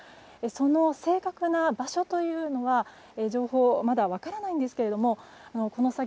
その正確な場所というのは情報がまだ分からないんですがこの先